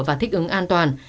và thích ứng an toàn